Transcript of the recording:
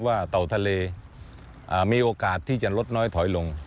เต่าทะเลมีโอกาสที่จะลดน้อยถอยลง